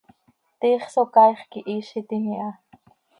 Tiix Socaaix quihiizitim iha.